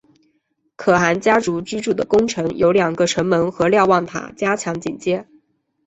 可汗家族居住的宫城有两个城门和瞭望塔加强警戒。